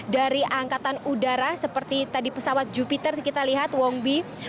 dari angkatan udara seperti tadi pesawat jupiter kita lihat wongbi